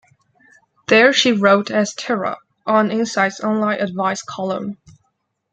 There she wrote as "Terra" on InSite's online advice column.